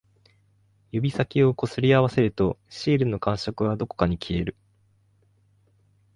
指先を擦り合わせると、シールの感触はどこかに消える